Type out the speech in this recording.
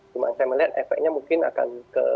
cuman saya melihat efeknya mungkin akan ter